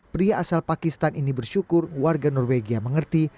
pria asal pakistan ini bersyukur warga norwegia mengerti